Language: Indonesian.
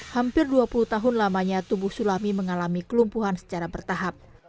hampir dua puluh tahun lamanya tubuh sulami mengalami kelumpuhan secara bertahap